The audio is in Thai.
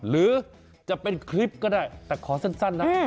หรือจะเป็นคลิปก็ได้แต่ขอสั้นนะ